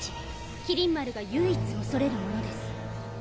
麒麟丸が唯一恐れるものです。